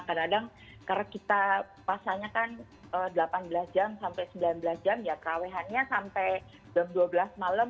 kadang kadang karena kita pasalnya kan delapan belas jam sampai sembilan belas jam ya kerawehannya sampai jam dua belas malam